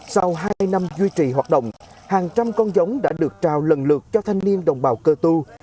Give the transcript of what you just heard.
sau hai năm duy trì hoạt động hàng trăm con giống đã được trao lần lượt cho thanh niên đồng bào cơ tu